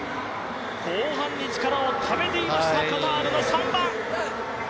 後半に力をためていましたカタールのサンバ。